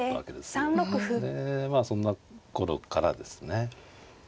そんな頃からですね。